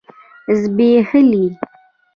ځبيښلي